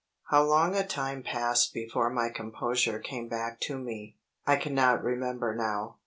How long a time passed before my composure came back to me, I cannot remember now.